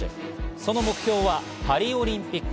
その目標はパリオリンピック。